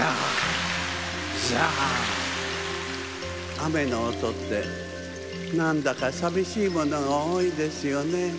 あめのおとってなんだかさびしいものがおおいですよね。